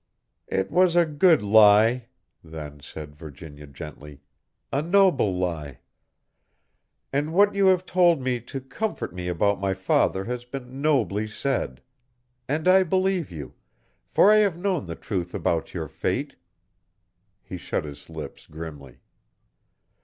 "It was a good lie," then said Virginia, gently "a noble lie. And what you have told me to comfort me about my father has been nobly said. And I believe you, for I have known the truth about your fate." He shut his lips grimly.